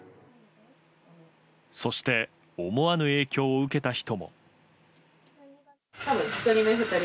そして、思わぬ影響を受けた人も。